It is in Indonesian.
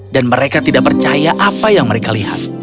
dan mereka tidak percaya apa yang mereka lihat